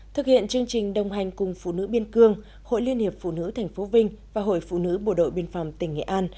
thực hiện chương trình đồng hành cùng phụ nữ biên cương hội liên hiệp phụ nữ tp vinh và hội phụ nữ bộ đội biên phòng tỉnh nghệ an